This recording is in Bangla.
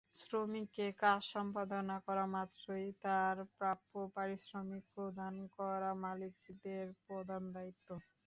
শ্রমিককে কাজ সম্পাদন করামাত্রই তাঁর প্রাপ্য পারিশ্রমিক প্রদান করা মালিকের প্রধান দায়িত্ব।